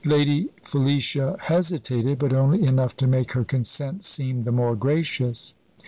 Lady Felicia hesitated, but only enough to make her consent seem the more gracious.